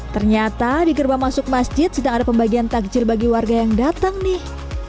ternyata di gerbang masuk masjid sedang ada pembagian takjil bagi warga yang datang nih